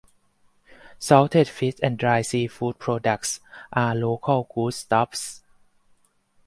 Salted fish and dried seafood products are local good stuffs.